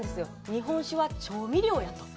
日本酒は調味料やと。